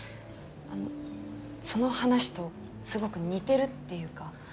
あのその話とすごく似てるっていうか。